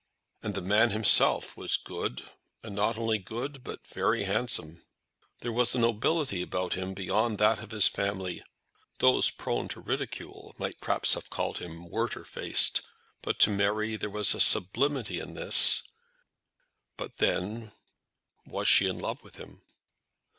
And the man himself was good, and not only good but very handsome. There was a nobility about him beyond that of his family. Those prone to ridicule might perhaps have called him Werter faced, but to Mary there was a sublimity in this. But then was she in love with him?